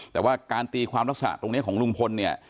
แต่ว่าการตีความลักษณะตรงนี้ของลุงพลเนี่ย